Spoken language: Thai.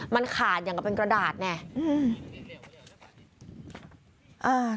มันขาดอย่างกับเป็นกระดาษไง